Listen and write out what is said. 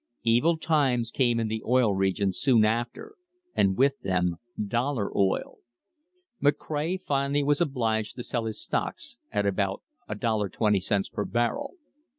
Evil times came in the Oil Regions soon after and with them "dollar oil." McCray finally was obliged to sell his stocks at about $1.20 per barrel.